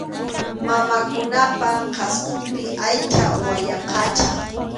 Mamakunapa qhasqunpi aycha wayaqacha.